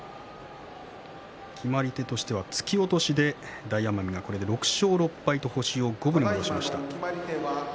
決まり手は突き落としで大奄美がこれで６勝６敗と星を五分に戻しました。